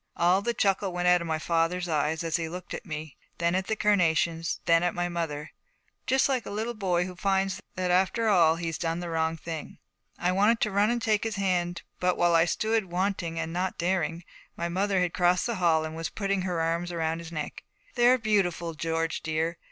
All the chuckle went out of my father's eyes: he looked at me, then at the carnations, then at my mother, just like a little boy who finds that after all he's done the wrong thing. I wanted to run and take his hand; but while I stood, wanting and not daring, my mother had crossed the hall and was putting her arms around his neck. 'They're beautiful, George dear.